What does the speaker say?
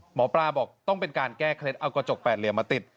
หมอปลาบอกต้องเป็นการแก้เคล็ดเอากระจกแปดเหลี่ยมมาติด